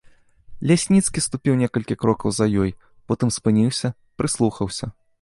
Лясніцкі ступіў некалькі крокаў за ёй, потым спыніўся, прыслухаўся.